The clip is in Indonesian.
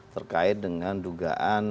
terkait dengan dugaan